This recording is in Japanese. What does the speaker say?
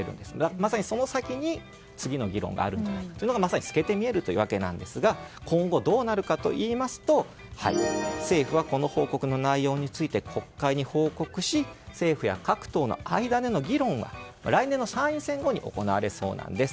まさに、その先に次の議論があるというのが透けて見えるわけなんですが今後、どうなるかというと政府はこの報告の内容について国会に報告し政府や各党の間での議論は来年の参院選後に行われそうなんです。